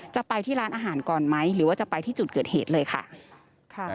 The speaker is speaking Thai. จะไปที่ร้านอาหารก่อนไหมหรือว่าจะไปที่จุดเกิดเหตุเลยค่ะ